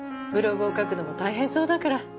ブログを書くのも大変そうだから。